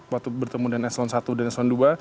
waktu bertemu dengan eselon satu dan eselon ii